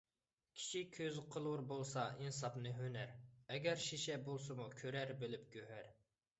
كىشى كۆزى قىلۇر بولسا ئىنساپنى ھۈنەر، ئەگەر شېشە بولسىمۇ كۆرەر بىلىپ گۆھەر.